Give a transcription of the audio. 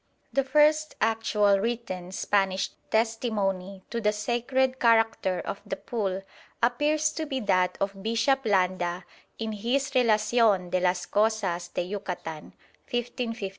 The first actual written Spanish testimony to the sacred character of the pool appears to be that of Bishop Landa in his Relación de las Cosas de Yucatan (1556).